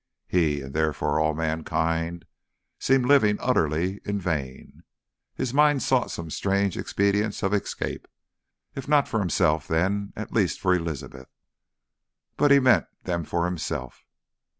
He, and therefore all mankind, seemed living utterly in vain. His mind sought some strange expedients of escape, if not for himself then at least for Elizabeth. But he meant them for himself.